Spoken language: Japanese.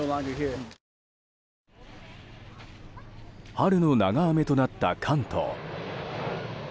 春の長雨となった関東。